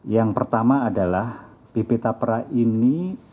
yang pertama adalah bp tapra ini